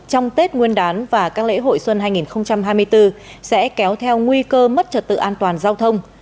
trong tết nguyên đán và các lễ hội xuân hai nghìn hai mươi bốn sẽ kéo theo nguy cơ mất trật tự an toàn giao thông